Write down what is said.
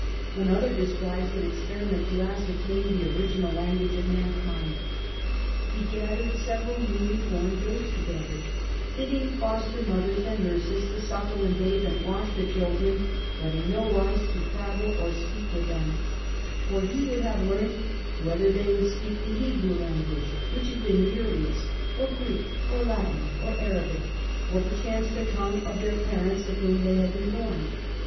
Another describes an experi ment to ascertain the original language of mankind. He gathered several newly born babies together, " bidding foster mothers and nurses to suckle and bathe and wash the children but in no wise to prattle or speak with them ; for he would have learnt whether they would speak the Hebrew language (which had been the earliest) or Greek or Latin or Arabic ; or perchance the tongue of their parents of whom they had been born.